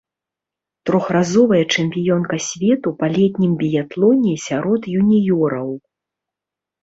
Трохразовая чэмпіёнка свету па летнім біятлоне сярод юніёраў.